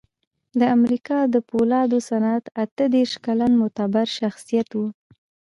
د امریکا د پولادو صنعت اته دېرش کلن معتبر شخصیت و